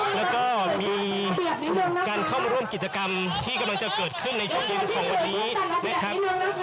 แล้วก็มีการเข้ามาร่วมกิจกรรมที่กำลังจะเกิดขึ้นในช่วงเย็นของวันนี้นะครับ